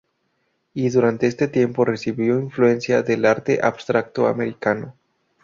Y durante este tiempo recibió influencia del arte abstracto americano.